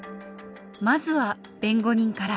まずは弁護人から。